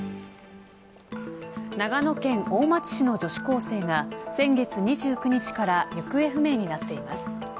長野県大町市の女子高生が先月２９日から行方不明になっています。